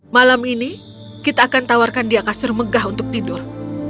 malam ini kita akan tawarkan dia kasur megah untuk tidur